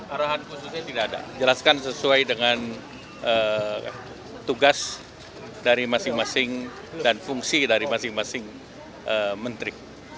arahan khususnya tidak ada jelaskan sesuai dengan tugas dari masing masing dan fungsi dari masing masing menteri